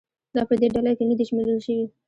دا په دې ډله کې نه دي شمېرل شوي.